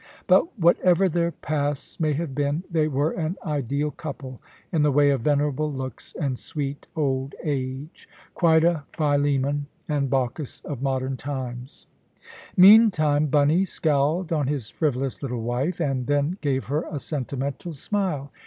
But whatever their pasts may have been, they were an ideal couple in the way of venerable looks and sweet old age. Quite a Philemon and Baucis of modern times. Meantime, "Bunny" scowled on his frivolous little wife, and then gave her a sentimental smile.